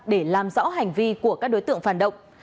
để làm rõ hành vi của các đối tượng phản động